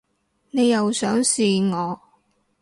你又想試我